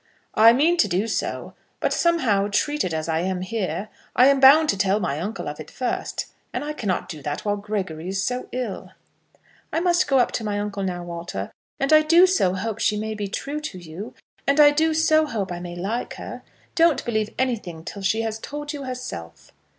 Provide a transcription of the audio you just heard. "I mean to do so. But somehow, treated as I am here, I am bound to tell my uncle of it first. And I cannot do that while Gregory is so ill." "I must go up to my uncle now, Walter. And I do so hope she may be true to you. And I do so hope I may like her. Don't believe anything till she has told you herself."